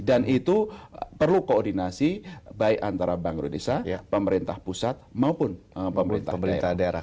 dan itu perlu koordinasi baik antara bank indonesia pemerintah pusat maupun pemerintah daerah